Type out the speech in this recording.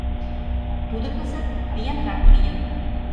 Тудо кызыт виянрак лийын.